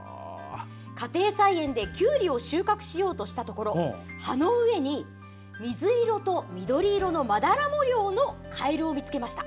家庭菜園できゅうりを収穫しようとしたところ葉の上に、水色と緑色のまだら模様のカエルを見つけました。